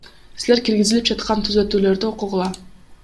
Силер киргизилип жаткан түзөтүүлөрдү окугула.